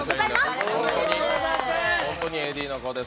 本当にＡＤの子です。